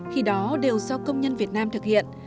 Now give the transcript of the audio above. khi đó đều do công nhân việt nam thực hiện